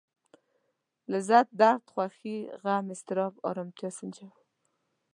لذت درد خوښي غم اضطراب ارامتيا سنجوو.